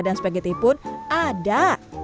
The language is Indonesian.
dan spageti pun ada